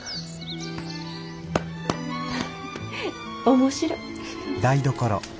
面白い。